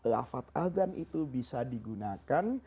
lafat azan itu bisa digunakan